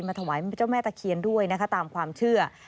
ถวายเจ้าแม่ตะเคียนด้วยนะคะตามความเชื่อ